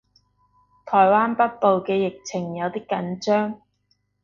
台灣北部嘅疫情有啲緊張